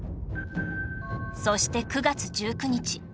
そして９月１９日